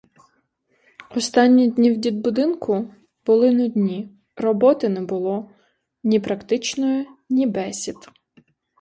Останні дні в дитбудинку були нудні, роботи не було, ні практичної, ні бесід.